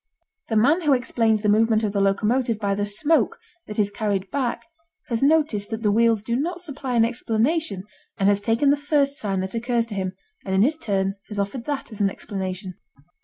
The man who explains the movement of the locomotive by the smoke that is carried back has noticed that the wheels do not supply an explanation and has taken the first sign that occurs to him and in his turn has offered that as an explanation.